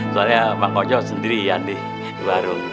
soalnya bang ojo sendirian nih di warung